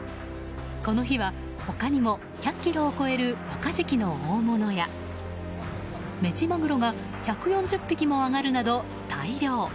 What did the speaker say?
この日は他にも１００ｋｇを超えるマカジキの大物やメジマグロが１４０匹も揚がるなど大漁。